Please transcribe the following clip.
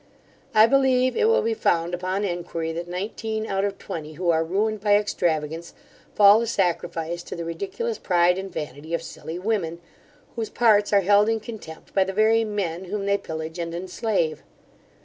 I believe it will be found upon enquiry, that nineteen out of twenty, who are ruined by extravagance, fall a sacrifice to the ridiculous pride and vanity of silly women, whose parts are held in contempt by the very men whom they pillage and enslave.